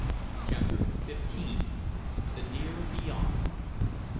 CHAPTER FIFTEEN. THE NEAR BEYOND.